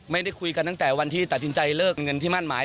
ไม่ได้คุยกันตั้งแต่วันที่ตัดสินใจเลิกเงินที่มั่นหมาย